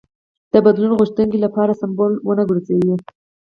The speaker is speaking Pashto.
د بدلون غوښتونکو لپاره سمبول ونه ګرځي.